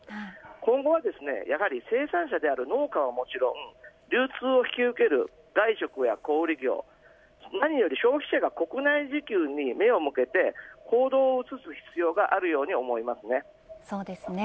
今後は生産者である農家はもちろん流通を引き受ける外食や小売り業何より消費者が国内自給に目を向けて行動を移す必要がそうですね。